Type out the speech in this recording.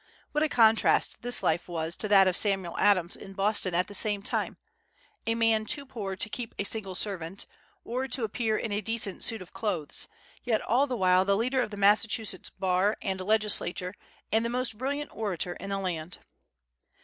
What a contrast this life was to that of Samuel Adams in Boston at the same time, a man too poor to keep a single servant, or to appear in a decent suit of clothes, yet all the while the leader of the Massachusetts bar and legislature and the most brilliant orator in the land!